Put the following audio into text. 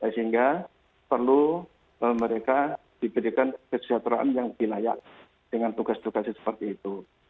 sehingga perlu mereka diberikan kesejahteraan yang lebih layak dengan tugas tugasnya seperti itu